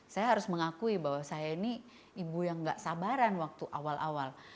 saya harus mengakui bahwa saya ini ibu yang gak sabaran waktu awal awal